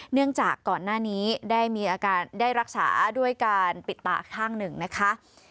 เนื่องจากก่อนหน้านี้ได้มีอาการได้รักษาด้วยการปิดตาข้างหนึ่งนะคะ